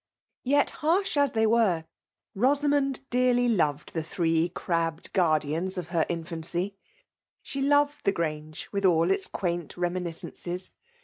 Yet, harsh as they were, Boaamond dearly loved the three crabbed guardians of her infancy. She loved the Orange with all its quaint reminiscences.